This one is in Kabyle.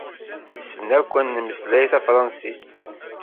Nessen akk ad nemmeslay tafransist.